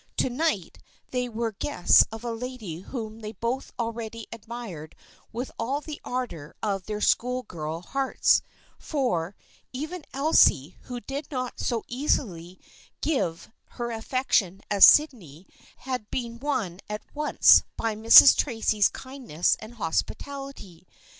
To night, they were the guests of a lady whom they both already admired with all the ardor of their schoolgirl hearts, for even Elsie, who did not so easily give 138 THE FRIENDSHIP OF ANNE 139 her affection as Sydney, had been won at once by Mrs. Tracy's kindness and hospitality.